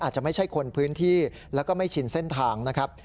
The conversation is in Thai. อาจจะไม่ใช่คนพื้นที่แล้วก็ไม่ชินเส้นทางนะครับ